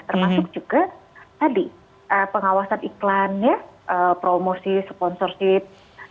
termasuk juga tadi pengawasan iklannya promosi sponsorship